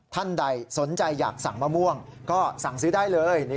ท่านใดสนใจอยากสั่งมะม่วงก็สั่งซื้อได้เลย